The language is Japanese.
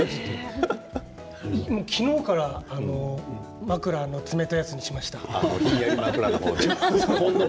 昨日から枕を冷たいやつにしました。